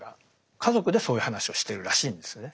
家族でそういう話をしてるらしいんですね。